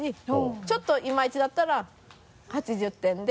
ちょっといまいちだったら８０点で。